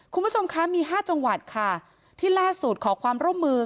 คุณผู้ชมคะมี๕จังหวัดค่ะที่ล่าสุดขอความร่วมมือ